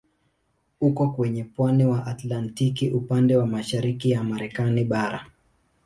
Uko kwenye pwani ya Atlantiki upande wa mashariki ya Marekani bara.